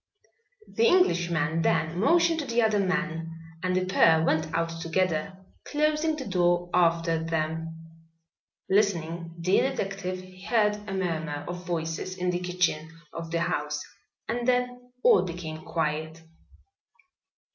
The Englishman then motioned to the other man, and the pair went out together, closing the door after them. Listening, the detective heard a murmur of voices in the kitchen of the house and then all became quiet.